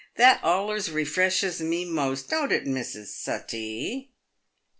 That allers refreshes me most, don't it, Mrs. Suttee